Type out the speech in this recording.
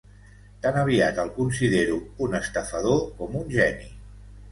Tan aviat el considero un estafador com un geni.